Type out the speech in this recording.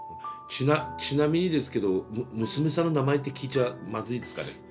ちなみにですけど娘さんの名前って聞いちゃまずいですかね。